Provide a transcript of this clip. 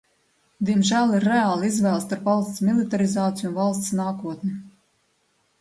Diemžēl ir reāla izvēle starp valsts militarizāciju un valsts nākotni.